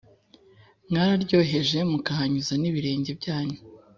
Mwararyoheje mukahanyuza nibirenge byanyu